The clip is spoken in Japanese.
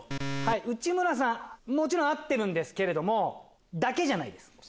内村さん合ってるんですけれどだけじゃないです。